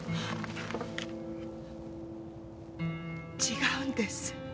違うんです。